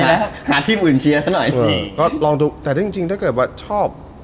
นะฮะหาทีมอื่นเชียร์ซะหน่อยก็ลองดูแต่ถ้าจริงจริงถ้าเกิดว่าชอบ